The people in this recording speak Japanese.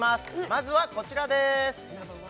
まずはこちらです